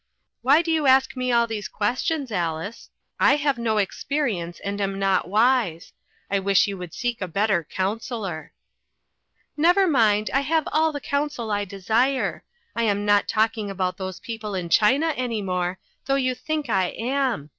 Why do you ask me all these questions, Alice? I have no experience, and am not wise. I wish you would seek a better coun selor/' " Never mind , I have all the counsel I desire. I am not talking about those peo ple in China any more, though you think I am.